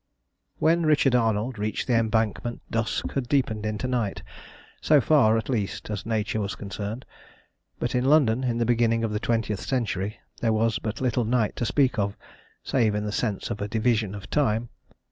When Richard Arnold reached the Embankment dusk had deepened into night, so far, at least, as nature was concerned. But in London in the beginning of the twentieth century there was but little night to speak of, save in the sense of a division of time.